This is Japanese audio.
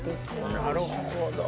なるほど。